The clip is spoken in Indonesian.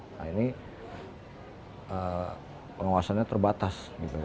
nah ini pengawasannya terbatas